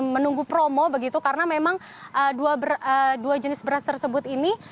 menunggu promo begitu karena memang dua jenis beras tersebut ini